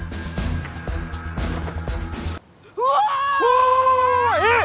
うわぁっ！！